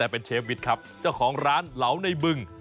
เป็นเชฟวิทย์ครับเจ้าของร้านเหลาในบึง